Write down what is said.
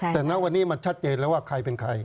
แต่ณวันนี้มันชัดเจนแล้วว่าใครเป็นใคร